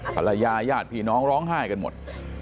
ญาติพี่น้องร้องไห้กันหมด